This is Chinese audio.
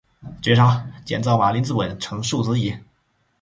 绝杀，减灶马陵自刎，成竖子矣